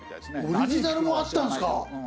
オリジナルもあったんですか。